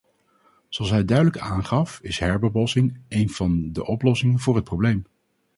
Zoals hij duidelijk aangaf is herbebossing een van de oplossingen voor het probleem.